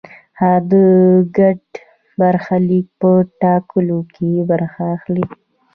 هغه د ګډ برخلیک په ټاکلو کې برخه اخلي.